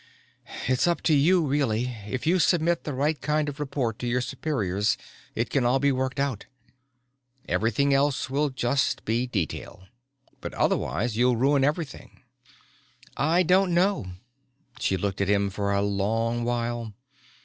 "It's up to you really. If you submit the right kind of report to your superiors it can all be worked out. Everything else will just be detail. But otherwise you'll ruin everything." "I don't know." She looked at him for a long while.